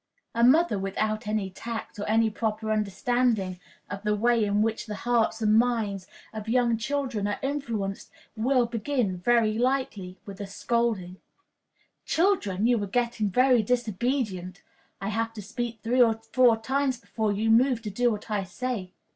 A mother without any tact, or any proper understanding of the way in which the hearts and minds of young children are influenced, will begin, very likely, with a scolding. "Children, you are getting very disobedient. I have to speak three or four times before you move to do what I say.